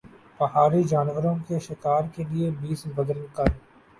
پہاڑی جانوروں کے شکار کے لئے بھیس بدل کر